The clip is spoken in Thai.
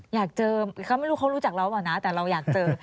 อยากเจอเขาไม่รู้เขารู้จักเราหรือเปล่านะแต่เราอยากเจอ